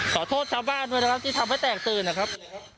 ขอโทษชาวบ้านว่ายะที่ทำให้แตกตื่นนะครับ